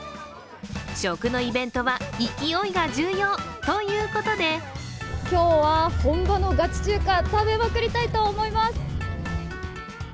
食のイベントは勢いが重要ということで今日は本場のガチ中華、食べまくりたいと思います。